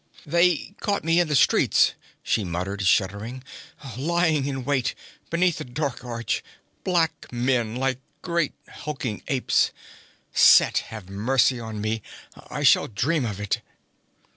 'They caught me in the streets,' she muttered, shuddering. 'Lying in wait, beneath a dark arch black men, like great, hulking apes! Set have mercy on me! I shall dream of it!'